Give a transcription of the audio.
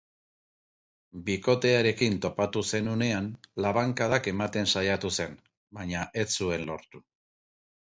Bikotearekin topatu zen unean labankadak ematen saiatu zen, baina ez zuen lortu.